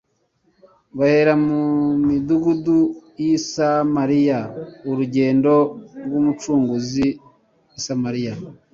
bahera mu midugudu y'i Samariya. Urugendo rw'Umucunguzi i Samariya,